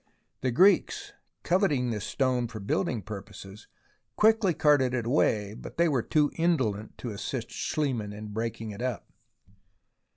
The Greeks, coveting this stone for building purposes, quickly carted it away, but they were too indolent to assist Schliemann in breaking it up.